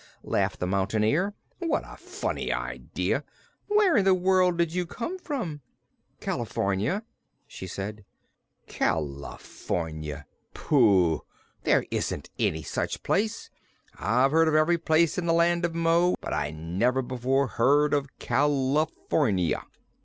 laughed the Mountain Ear. "What a funny idea! Where in the world did you come from?" "California," she said. "California! Pooh! there isn't any such place. I've heard of every place in the Land of Mo, but I never before heard of California."